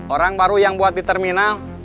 orang baru yang buat di terminal